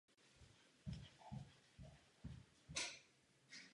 Od něj ho převzal stejnojmenný syn a měl ho až do své smrti.